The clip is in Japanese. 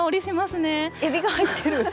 えびが入ってる。